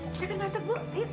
silahkan masuk bu